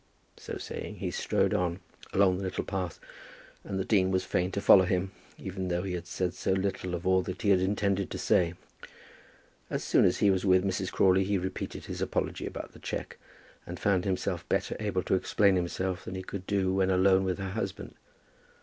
So saying, he strode on along the little path, and the dean was fain to follow him, even though he had said so little of all that he had intended to say. As soon as he was with Mrs. Crawley he repeated his apology about the cheque, and found himself better able to explain himself than he could do when alone with her husband.